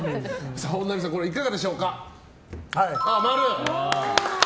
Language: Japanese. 本並さん、これはいかがでしょうか。